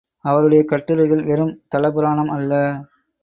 அவருடைய கட்டுரைகள் வெறும் தலபுராணம் அல்ல.